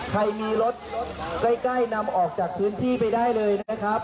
ใครมีรถใกล้นำออกจากพื้นที่ไปได้เลยนะครับ